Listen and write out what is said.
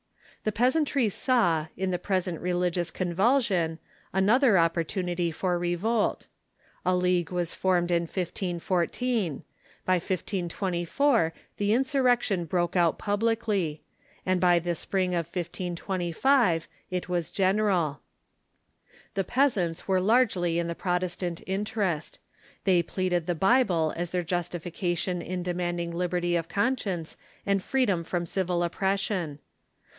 The peasantry saw, in the present religious convulsion, another opportunity for revolt. A league was formed in 1514 ; by 1524 the insurrec 224 THE REFORMATION tion broke out publicly ; and by the spring of 1525 it was general. The peasants were largely in the Protestant inter est. They pleaded the Bible as their justification in demand ing liberty of conscience and freedom from civil oppression.